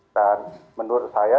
dan menurut saya